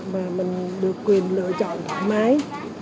mà mình được quyền lựa chọn thoải mái